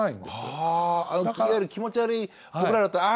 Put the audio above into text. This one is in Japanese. あいわゆる気持ち悪い僕らだったらあ